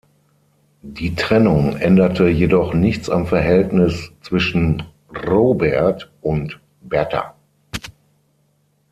Die Trennung änderte jedoch nichts am Verhältnis zwischen Robert und Bertha.